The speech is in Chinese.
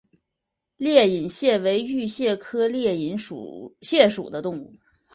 裂隐蟹为玉蟹科裂隐蟹属的动物。